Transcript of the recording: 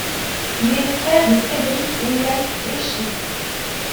Il est le frère de Frederick William Beechey.